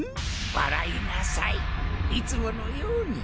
笑いなさいいつものように。